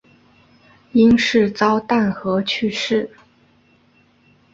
因事遭弹劾去世。